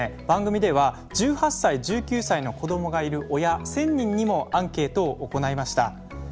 番組では１８歳１９歳の子どもがいる親１，０００人にもアンケートを行いました。